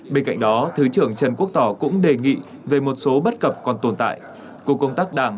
bên cạnh đó thứ trưởng trần quốc tỏ cũng đề nghị về một số bất cập còn tồn tại của công tác đảng